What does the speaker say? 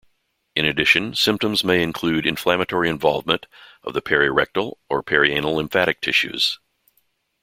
In addition, symptoms may include inflammatory involvement of the perirectal or perianal lymphatic tissues.